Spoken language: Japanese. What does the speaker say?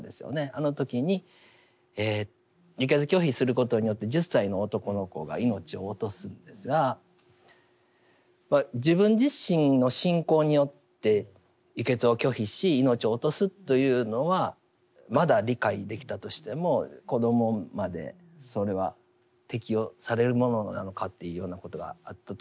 あの時に輸血拒否することによって１０歳の男の子が命を落とすんですが自分自身の信仰によって輸血を拒否し命を落とすというのはまだ理解できたとしても子どもまでそれは適用されるものなのかというようなことがあったと思います。